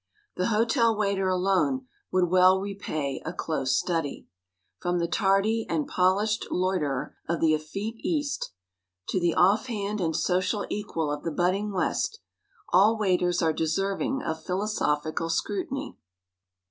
The hotel waiter alone, would well repay a close study. From the tardy and polished loiterer of the effete East, to the off hand and social equal of the budding West, all waiters are deserving of philosophical scrutiny.